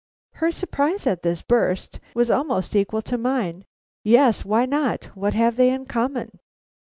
Her surprise at this burst was almost equal to mine. "Yes, why not; what have they in common?"